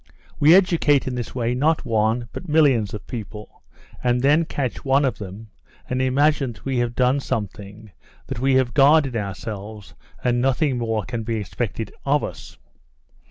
We educate in this way not one, but millions of people, and then catch one of them and imagine that we have done something, that we have guarded ourselves, and nothing more can be expected of us.